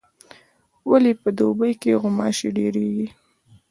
ولي په دوبي کي غوماشي ډیریږي؟